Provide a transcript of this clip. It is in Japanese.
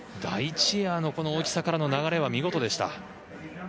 第１エアの大きさからの流れは見事でした。